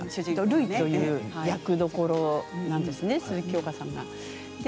るいという役どころなんですね、鈴木京香さんが。